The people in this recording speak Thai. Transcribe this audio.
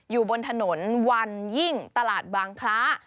อยู่บนถนนวันยิ่งตลาดบางคล้า